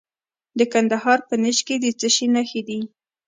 د کندهار په نیش کې د څه شي نښې دي؟